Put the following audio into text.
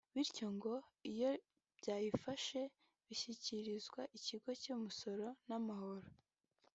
bityo ngo iyo bayifashe ishyikirizwa ikigo cy’imisoro n’amahoro